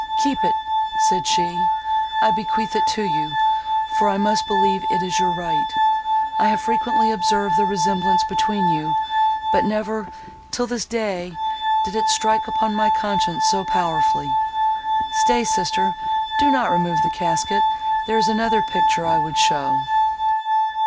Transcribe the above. "Keep it," said she, "I bequeath it to you, for I must believe it is your right. I have frequently observed the resemblance between you; but never, till this day, did it strike upon my conscience so powerfully! Stay, sister, do not remove the casket—there is another picture I would show."